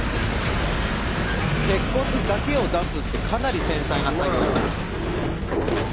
鉄骨だけを出すってかなり繊細な作業ですね。